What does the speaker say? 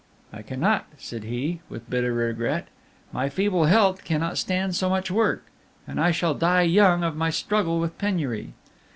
"'I cannot!' said he, with bitter regret: 'my feeble health cannot stand so much work, and I shall die young of my struggle with penury.'